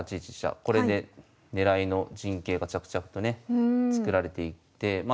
これでねらいの陣形が着々とね作られていってまあ